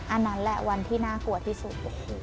อันนั้นแหละวันที่น่ากลัวที่สุด